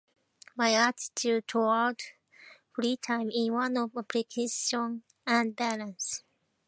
My attitude towards free time is one of appreciation and balance.